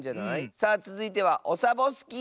さあつづいてはオサボスキー。